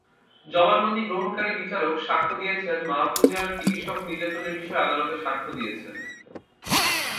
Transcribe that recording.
জবানবন্দি গ্রহণকারী বিচারক সাক্ষ্য দিয়েছেন, মাহফুজার চিকিৎসক নির্যাতনের বিষয়ে আদালতে সাক্ষ্য দিয়েছেন।